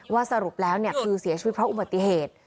สรุปแล้วคือเสียชีวิตเพราะอุบัติเหตุ